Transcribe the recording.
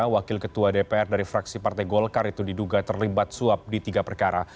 wakil ketua dpr dari fraksi partai golkar itu diduga terlibat suap di tiga perkara